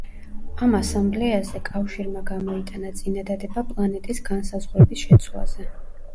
ამ ასამბლეაზე კავშირმა გამოიტანა წინადადება პლანეტის განსაზღვრების შეცვლაზე.